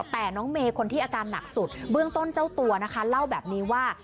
แต่น้องเมย์คนที่อาการหนักสุดเบื้องต้นเจ้าตัวนะคะเล่าแบบนี้ว่า